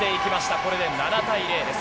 これで７対０です。